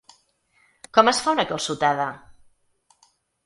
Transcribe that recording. Com es fa una calçotada?